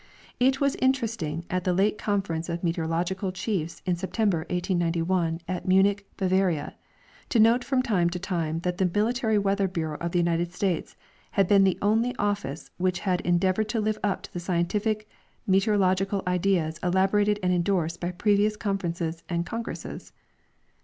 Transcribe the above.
It was interesting at the late conference of meteorological chiefs in September, 1891, at Munich, Bavaria, to note from time to time that the military Weather bureau of the United States had been the only office which had endeavored to live up to the scientific meteorological ideals elaborated and endorsed by previous conferences and congresses.